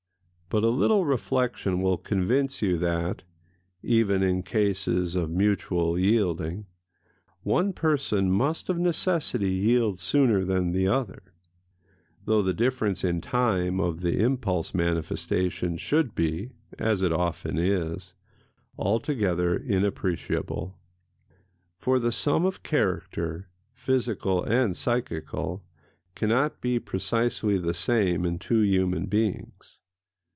But a little reflection will convince you that, even in cases of mutual yielding, one person must of necessity yield sooner than the other,—though the difference in time of the impulse manifestation should be—as it often is—altogether inappreciable. For the sum of character, physical and psychical, cannot be precisely the same in two human beings.